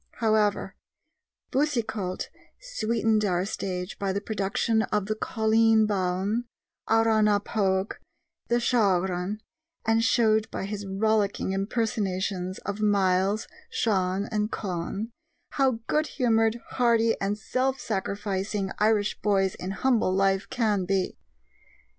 However, Boucicault sweetened our stage by the production of The Colleen Bawn, Arrah na Pogue, and The Shaughraun, and showed by his rollicking impersonations of Myles, Shan, and Conn, how good humored, hearty, and self sacrificing Irish boys in humble life can be.